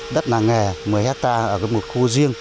đất làng nghề một mươi hectare ở một khu riêng